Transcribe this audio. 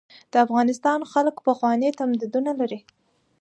د افغانستان خلک پخواني تمدنونه لري.